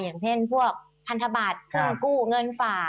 อย่างเพลินพวกพันธบาทฟื้นกู้เงินฝาก